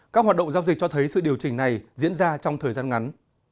các hoạt động giao dịch cho thấy sự điều chỉnh này diễn ra trong thời gian ngắn